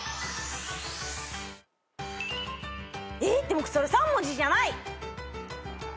でもそれ３文字じゃない。